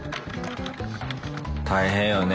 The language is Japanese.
大変よね。